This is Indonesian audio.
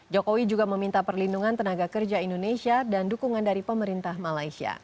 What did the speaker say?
jokowi juga meminta perlindungan tenaga kerja indonesia dan dukungan dari pemerintah malaysia